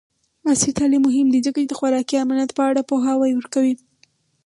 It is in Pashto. عصري تعلیم مهم دی ځکه چې د خوراکي امنیت په اړه پوهاوی ورکوي.